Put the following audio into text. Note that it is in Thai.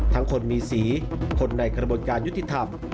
คนมีสีคนในกระบวนการยุติธรรม